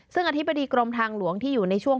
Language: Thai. ซึ่งอธิบดีกรมทางหลวงที่อยู่ในช่วง